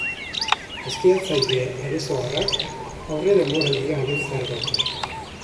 Eskiatzaile aresoarrak aurredenboraldia amaitzear dauka.